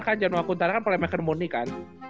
kan januari huntara kan playmaker murni kan